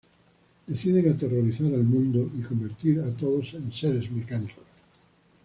Deciden aterrorizar al mundo y convertir a todos en seres mecánicos.